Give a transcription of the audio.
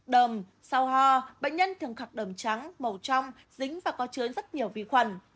đầm sau ho bệnh nhân thường khắc đầm trắng màu trong dính và có chứa rất nhiều vi khuẩn